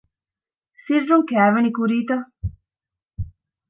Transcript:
ސިއްރުން ކައިވެނި ކުރީތަ؟